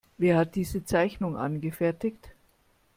Wer hat diese Zeichnung angefertigt?